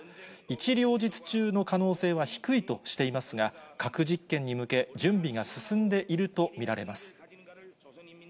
一両日中の可能性は低いとしていますが、核実験に向け、準備が進んでいると見られます。